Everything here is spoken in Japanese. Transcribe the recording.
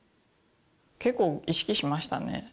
結構意識しましたね。